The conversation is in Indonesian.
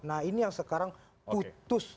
nah ini yang sekarang putus